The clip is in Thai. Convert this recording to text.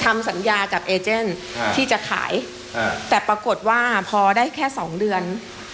ทำสัญญากับเอเจนที่จะขายแต่ปรากฏว่าพอได้แค่สองเดือน